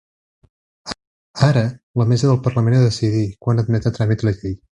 Ara la mesa del parlament ha de decidir quan admet a tràmit la llei.